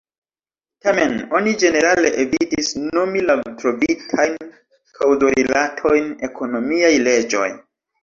Tamen oni ĝenerale evitis nomi la trovitajn kaŭzorilatojn ekonomiaj leĝoj.